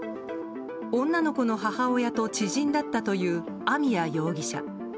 女の子の母親と知人だったという網谷容疑者。